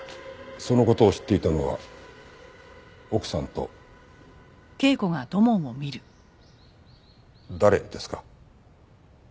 その事を知っていたのは奥さんと誰ですか？